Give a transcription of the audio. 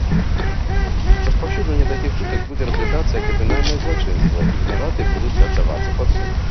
Распаўсюджванне такіх чутак будзе разглядацца як крымінальнае злачынства, і вінаватыя будуць аддавацца пад суд.